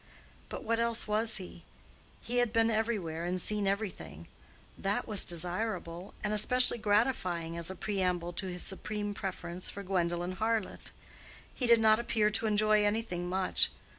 But what else was he? He had been everywhere, and seen everything. That was desirable, and especially gratifying as a preamble to his supreme preference for Gwendolen Harleth. He did not appear to enjoy anything much.